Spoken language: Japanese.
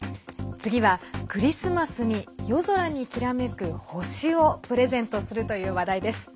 次は、クリスマスに夜空にきらめく星をプレゼントするという話題です。